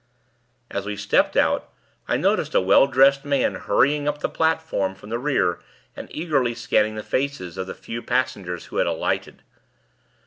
As we stepped out, I noticed a well dressed man hurrying up the platform from the rear and eagerly scanning the faces of the few passengers who had alighted.